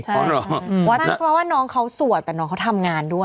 เพราะว่าน้องเขาสวดแต่น้องเขาทำงานด้วย